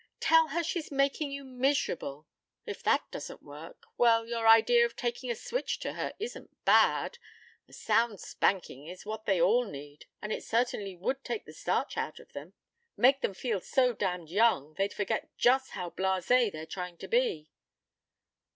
Tell her she's making you miserable. If that doesn't work well, your idea of taking a switch to her isn't bad. A sound spanking is what they all need, and it certainly would take the starch out of them. Make them feel so damned young they'd forget just how blasé they're trying to be."